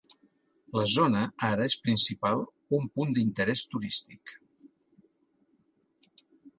La zona ara és principal un punt d'interès turístic.